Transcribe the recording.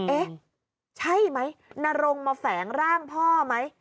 เอ๊ะใช่ไหมนรงมาแฝงร่างพ่อไหม